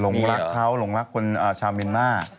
หลงรักเขาหลงรักคนชาวเมียนมาร์